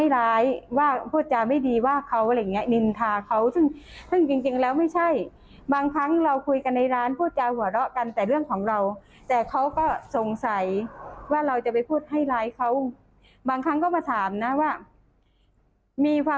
แล้วถึงท่านด่าด่าทอคำหยาบอะไรอย่างนี้ค่ะ